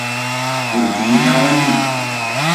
کوردیی ناوەندی